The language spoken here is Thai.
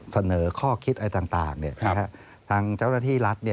เสนอข้อคิดอะไรต่างทางเจ้าหน้าที่รัฐ